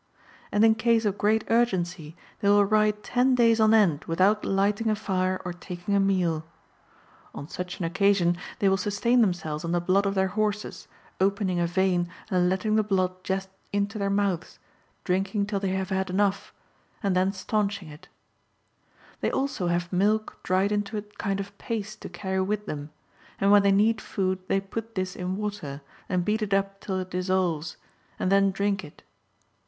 ^ And in case of great urgency they will ride ten days on end without lighting a fire or taking a meal. On such an occasion they will sustain thertiselves on the blood of their horses, opening a vein and letting the blood jet into their mouths, 262 MARCO POLO Book I. drinking till they have had enough, and then staunching it/ They also have milk dried into a kind of paste to carry with them ; and when they need food they put this in water, and beat it up till it dissolves, and then drink it.